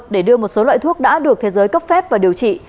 để đưa một số loại thuốc đã được thế giới cấp phép và điều trị